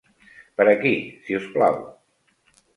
Per aquí, si us plau.